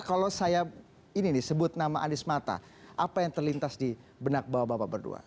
kalau saya ini sebut nama anies mata apa yang terlintas di benak bawah bapak berdua